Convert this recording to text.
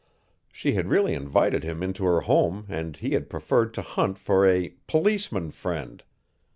She had really invited him into her home and he had preferred to hunt for a "policeman friend."